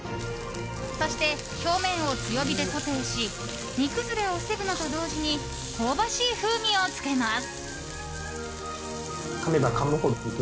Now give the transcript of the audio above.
そして、表面を強火でソテーし煮崩れを防ぐのと同時に香ばしい風味をつけます。